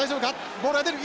ボールは出る！